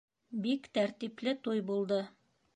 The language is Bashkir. Бик тәртипле туй булды.